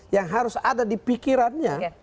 yang harus ada di pikirannya